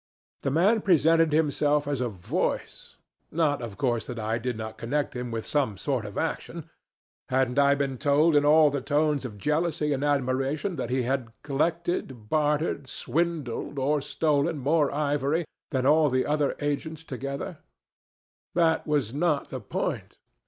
The man presented himself as a voice. Not of course that I did not connect him with some sort of action. Hadn't I been told in all the tones of jealousy and admiration that he had collected, bartered, swindled, or stolen more ivory than all the other agents together? That was not the point.